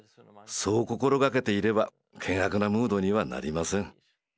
そう心がけていれば険悪なムードにはなりません。